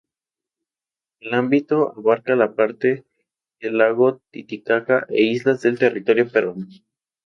El ámbito abarca la parte del lago Titicaca e islas del territorio peruano.